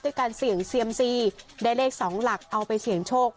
การเสี่ยงเซียมซีได้เลข๒หลักเอาไปเสี่ยงโชค